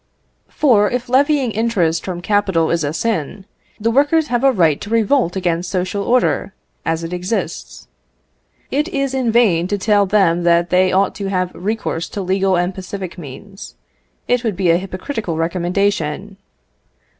For if levying interest from capital is a sin, the workers have a right to revolt against social order, as it exists. It is in vain to tell them that they ought to have recourse to legal and pacific means: it would be a hypocritical recommendation.